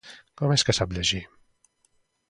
Com és que sap llegir?